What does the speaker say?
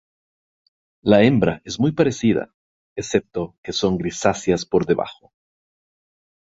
La hembra es muy parecida, excepto que son grisáceas por debajo.